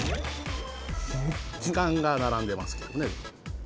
時間がならんでますけどね。